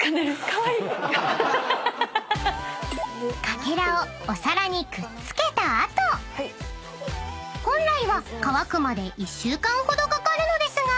［かけらをお皿にくっつけた後本来は乾くまで１週間ほどかかるのですが］